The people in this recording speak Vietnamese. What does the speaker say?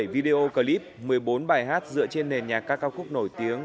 ba mươi bảy video clip một mươi bốn bài hát dựa trên nền nhạc các cao khúc nổi tiếng